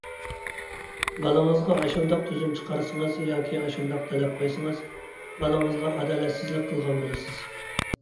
بالىڭىزغا ئاشۇنداق تۈزۈم چىقارسىڭىز، ياكى ئاشۇنداق تەلەپ قويسىڭىز، بالىڭىزغا ئادالەتسىزلىك قىلغان بولىسىز.